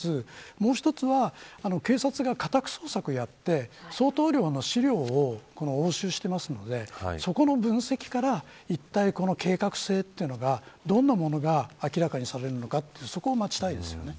もう一つは警察が家宅捜索をやって相当量の資料を押収していますのでそこの分析からいったいこの計画性というのがどんなものが明らかにされるのかそこを待ちたいですね。